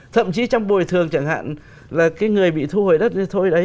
thậm chí trong bồi thường chẳng hạn là cái người bị thu hồi đất thôi đấy